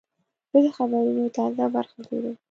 زه د خبرونو تازه برخه ګورم.